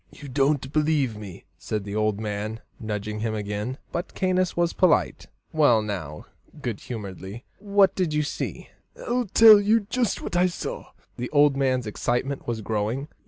"You don't believe me," said the old man, nudging him again. But Caius was polite. "Well, now" good humouredly "what did you see?" "I'll tell you jist what I saw." (The old man's excitement was growing.)